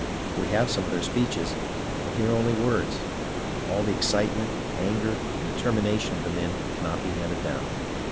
We have some of their speeches, but they are only words. All the excite ment, anger, and determination of the men cannot be handed down.